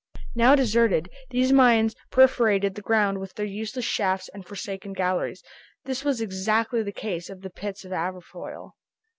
Now deserted, these mines perforated the ground with their useless shafts and forsaken galleries. This was exactly the case with the pits of Aberfoyle.